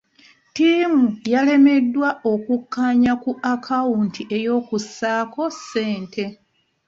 Tiimu yalemereddwa okukkaanya ku akawunti ey'okusaako ssente.